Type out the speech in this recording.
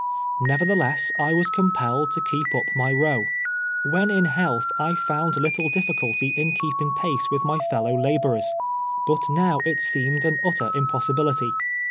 Nevertheless, I was compelled to keep up my row. AYhen in health I found little difficulty in keeping pace with my fellow laborers, but now it seemed to be an utter impossibility.